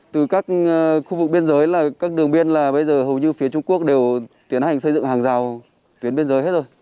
từ các khu vực biên giới là các đường biên là bây giờ hầu như phía trung quốc đều tiến hành xây dựng hàng rào tuyến biên giới hết rồi